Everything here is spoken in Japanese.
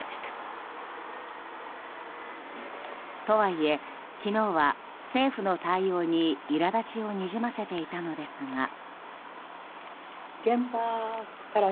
とはいえ、昨日は政府の対応にいら立ちをにじませていたのですが。